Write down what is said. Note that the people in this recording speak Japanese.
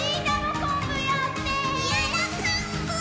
よろこんぶ！